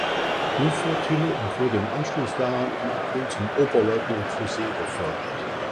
U-Flottille und wurde im Anschluss daran im April zum Oberleutnant zur See befördert.